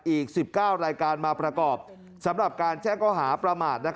อีก๑๙รายการมาประกอบสำหรับการแจ้งข้อหาประมาท